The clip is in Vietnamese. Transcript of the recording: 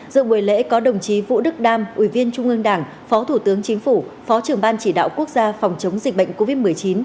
dự buổi lễ có đồng chí vũ đức đam ủy viên trung ương đảng phó thủ tướng chính phủ phó trưởng ban chỉ đạo quốc gia phòng chống dịch bệnh covid một mươi chín